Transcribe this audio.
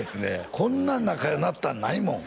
こんな仲良うなったのないもん